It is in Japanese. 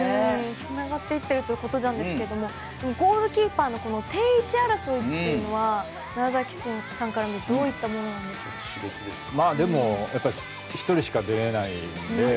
つながっていっているということなんですがゴールキーパーの定位置争いというのは楢崎さんから見てどういったものなんですか。